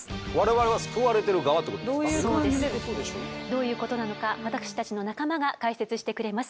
どういうことなのか私たちの仲間が解説してくれます。